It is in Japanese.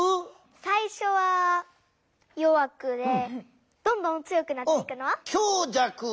さいしょは弱くでどんどん強くなっていくのは？